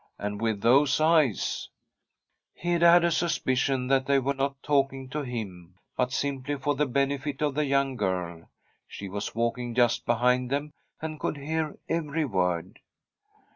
And with those eyes I ' Hede had a suspicion that they were not talk ing to him, but simplv for the benefit of the [i6] The STORY of a COUNTRY HOUSE young girl. She was walking just behind them, and could hear every word.